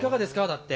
だって。